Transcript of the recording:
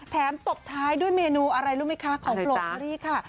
ตบท้ายด้วยเมนูอะไรรู้ไหมคะของโปรเชอรี่ค่ะ